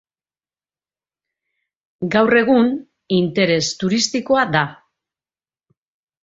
Gaur egun, interes turistikoa da.